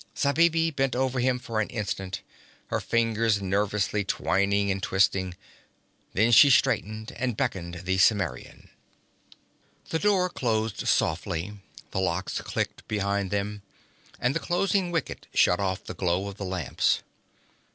Zabibi bent over him for an instant, her fingers nervously twining and twisting. Then she straightened and beckoned the Cimmerian. The door closed softly, the locks clicked behind them, and the closing wicket shut off the glow of the lamps.